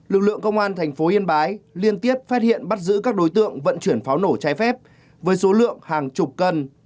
lực lượng công an thành phố yên bái liên tiếp phát hiện bắt giữ các đối tượng vận chuyển pháo nổ trái phép với số lượng hàng chục cân